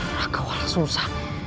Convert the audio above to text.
raka walah sungsang